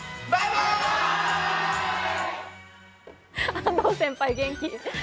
安藤先輩、元気。